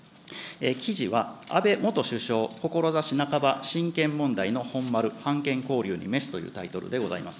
記事は安倍元首相志半ば親権問題の本丸、判検交流にメスというタイトルでございます。